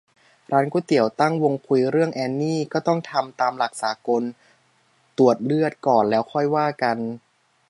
ร้านก๋วยเตี๋ยวตั้งวงคุยเรื่องแอนนี่ "ก็ต้องทำตามหลักสากล ตรวจเลือดก่อน แล้วค่อยว่ากัน"